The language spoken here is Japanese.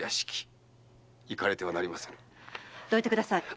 どいてください。